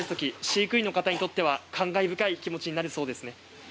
飼育員の方にとっては感慨深い気持ちになるそうですね。